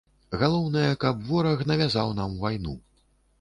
Галоўнае, каб вораг навязаў нам вайну.